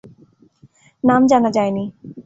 নাম জানা যায়নি।